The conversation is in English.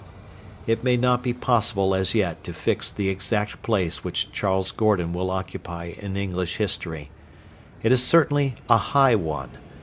It may not be possible as yet to fix the exact place which Charles Gordon will occupy in English history. It is certainly a high one.